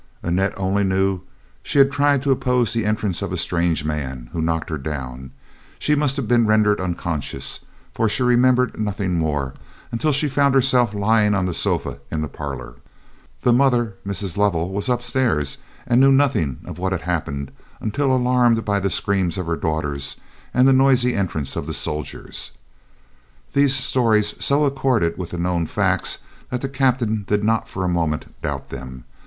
Annette only knew that she tried to oppose the entrance of a strange man, who knocked her down. She must have been rendered unconscious, for she remembered nothing more, until she found herself lying on the sofa in the parlor. The mother, Mrs. Lovell, was upstairs, and knew nothing of what had happened until alarmed by the screams of her daughters and the noisy entrance of the soldiers. These stories so accorded with the known facts that the captain did not for a moment doubt them.